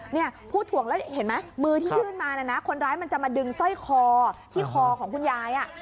เนี่ยพูดถ่วงแล้วเห็นไหมมือที่ยื่นมานะนะคนร้ายมันจะมาดึงสร้อยคอที่คอของคุณยาย